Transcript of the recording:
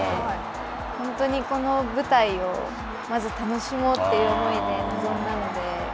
本当に、この舞台を、まず楽しもうという思いで臨んだので。